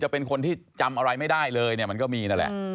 เป็นคนที่จำอะไรไม่ได้เลยเนี่ยมันก็มีนั่นแหละ